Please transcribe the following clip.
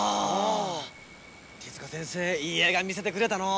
手先生いい映画見せてくれたのう。